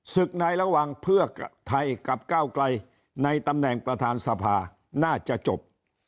ในระหว่างเพื่อไทยกับก้าวไกลในตำแหน่งประธานสภาน่าจะจบ